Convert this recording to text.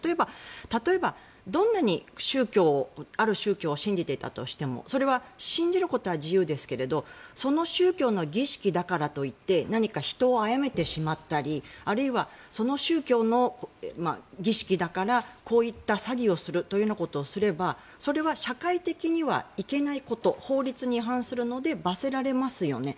例えば、どんなにある宗教を信じていたとしてもそれは信じることは自由ですがその宗教の儀式だからといって何か人をあやめてしまったりあるいはその宗教の儀式だからこういった詐欺をするというようなことをすればそれは社会的にはいけないこと法律に違反するので罰せられますよね。